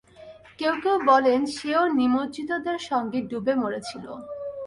কেউ কেউ বলেন, সেও নিমজ্জিতদের সঙ্গে ডুবে মরেছিল।